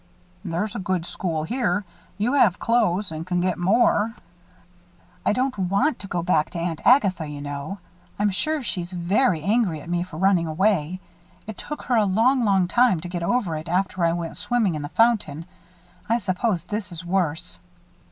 "There's a good school here. You have clothes an' can get more." "I don't want to go back to Aunt Agatha, you know. I'm sure she's very angry at me for running away. It took her a long, long time to get over it after I went swimming in the fountain. I suppose this is worse."